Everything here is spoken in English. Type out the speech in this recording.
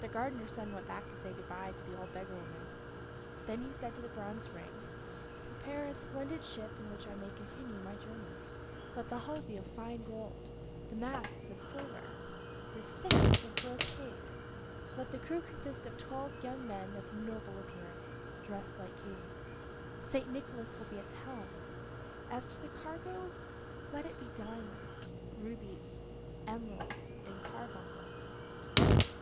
The gardener's son went back to say good by to the old beggar woman; then he said to the bronze ring: "Prepare a splendid ship in which I may continue my journey. Let the hull be of fine gold, the masts of silver, the sails of brocade; let the crew consist of twelve young men of noble appearance, dressed like kings. St. Nicholas will be at the helm. As to the cargo, let it be diamonds, rubies, emeralds, and carbuncles."